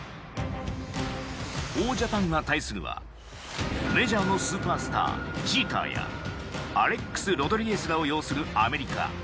王ジャパンが対するはメジャーのスーパースタージーターやアレックス・ロドリゲスらを擁するアメリカ。